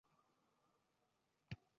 xushlarini boshlariga to'plashlari